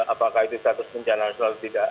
apakah itu status bencana nasional atau tidak